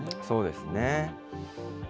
そうですね。